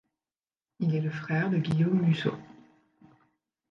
Il est le frère de Guillaume Musso.